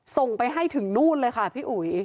ส่งไปให้ถึงนู่นเลยค่ะพี่อุ๋ย